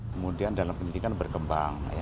kemudian dalam penyidikan berkembang